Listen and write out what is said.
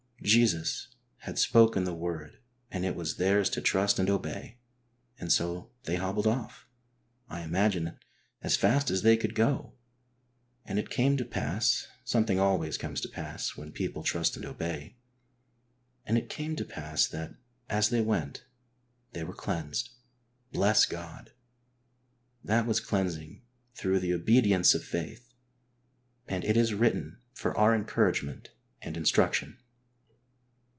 Jesus had spoken the word and it was theirs to trust and obey; and so they hobbled off, I imagine, as fast as they could go, "And it came to pass,^' — (something always comes to pass when people trust and obey) — "And it came to pass, that, as they w^ent, they were cleansed.'' Bless God ! That was cleansing through "the obedience of faith," and it is written for our encouragement and instruction.